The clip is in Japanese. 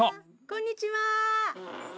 こんにちは。